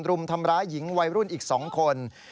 รุมทำร้ายหญิงวัยรุ่นอีก๒คน